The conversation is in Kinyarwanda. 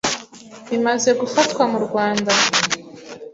bimaze gufatwa mu Rwanda